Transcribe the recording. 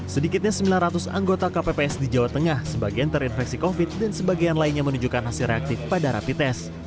sedikitnya sembilan ratus anggota kpps di jawa tengah sebagian terinfeksi covid sembilan belas dan sebagian lainnya menunjukkan hasil reaktif pada rapi tes